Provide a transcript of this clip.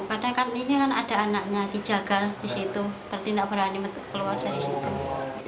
padahal kan ini kan ada anaknya dijagal di situ bertindak berani keluar dari situ